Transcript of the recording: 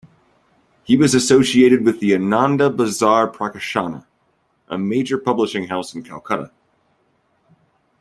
He was associated with the Ananda Bazar Prakashana, a major publishing house in Calcutta.